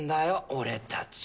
俺たち。